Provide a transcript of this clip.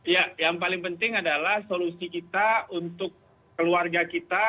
ya yang paling penting adalah solusi kita untuk keluarga kita